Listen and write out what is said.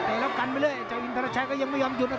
แต่กันไปเลยไอ้เจ้าอินทราชัยรู้ยังไม่ยอมหยุดนะครับ